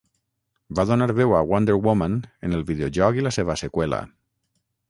Va donar veu a Wonder Woman en el videojoc i la seva seqüela.